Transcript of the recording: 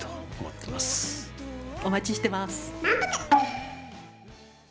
お待ちしてます！